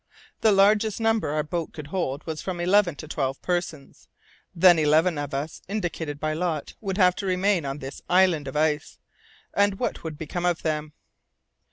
The largest number our boat could hold was from eleven to twelve persons. Then eleven of us, indicated by lot, would have to remain on this island of ice. And what would become of them?